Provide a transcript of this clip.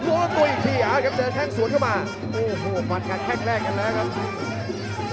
โอ้โหอีกทีอ่ะครับเจอแท่งสวนเข้ามาโอ้โหมันกันแค่แรกกันแล้วครับครับ